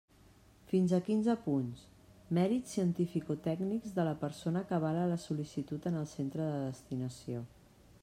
Fins a quinze punts: mèrits cientificotècnics de la persona que avala la sol·licitud en el centre de destinació.